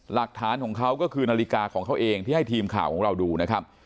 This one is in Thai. หลักฐานของเขาก็คือนาฬิกาของเขาเองที่ให้ทีมข่าวของเราดูนะครับ